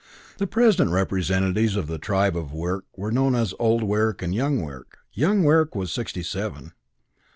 The present representatives of the tribe of Wirk were known as Old Wirk and Young Wirk. Young Wirk was sixty seven.